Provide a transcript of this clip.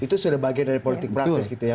itu sudah bagian dari politik praktis gitu ya